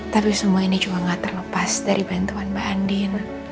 tapi semua ini juga gak terlepas dari bantuan mbak andin